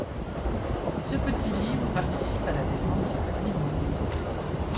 Et ce petit livre participe à la défense du patrimoine.